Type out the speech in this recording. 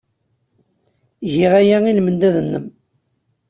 Giɣ aya i lmendad-nnem.